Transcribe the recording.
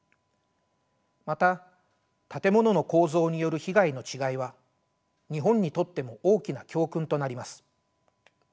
また建物の構造による被害の違いは日本にとっても大きな教訓となります。